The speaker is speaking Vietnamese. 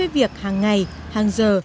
đồng ý với việc hàng ngày hàng giờ